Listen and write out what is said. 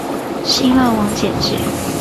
新浪网简介